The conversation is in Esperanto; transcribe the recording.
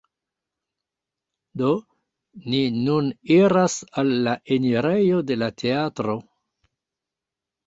Do, ni nun iras al la enirejo de la teatro